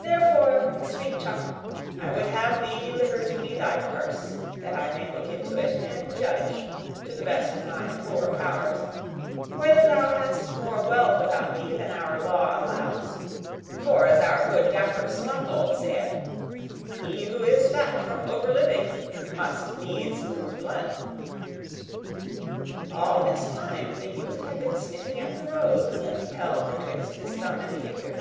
Therefore, sweet chuck, I would have thee deliver to me thy purse, that I may look into it, and judge, to the best of my poor powers, whether thou hast more wealth about thee than our law allows. For, as our good Gaffer Swanthold sayeth, 'He who is fat from overliving must needs lose blood.'" All this time the youth had been sniffing at the rose that he held betwixt his thumb and finger.